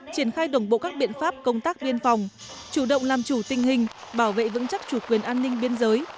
triển khai đồng bộ các biện pháp công tác biên phòng chủ động làm chủ tình hình bảo vệ vững chắc chủ quyền an ninh biên giới